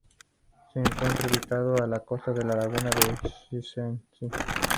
Se encuentra ubicado a la costa de la laguna de Szczecin.